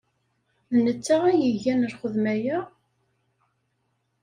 D netta ay igan lxedma-a?